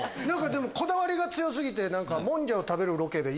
こだわりが強過ぎて。